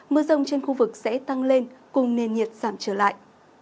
mưa rông trên khu vực sẽ tăng lên cùng nền nhiệt giảm trở lại